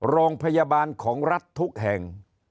โรงพยาบาลของรัฐทุกแห่ง